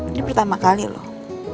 ini pertama kali loh